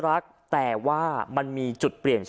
พระเจ้าอาวาสกันหน่อยนะครับ